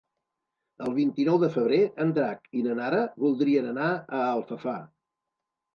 El vint-i-nou de febrer en Drac i na Nara voldrien anar a Alfafar.